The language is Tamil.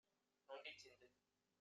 நொண்டிச் சிந்து